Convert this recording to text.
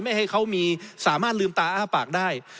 ให้เขามีสามารถลืมตาอ้าปากได้